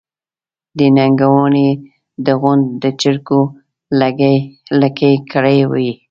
د نينګوَلۍ د غونډ د چرګو لکۍ کږې وي۔